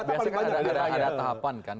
biasanya kan ada tahapan kan